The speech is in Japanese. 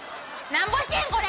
なんぼしてんこれ！